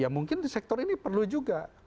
ya mungkin di sektor ini perlu juga